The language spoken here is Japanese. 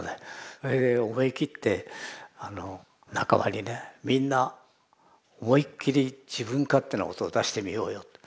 それで思い切って仲間にねみんな思いっ切り自分勝手な音を出してみようよって。